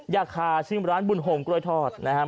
ยาคาชื่อร้านบุญโฮมกล้วยทอดนะครับ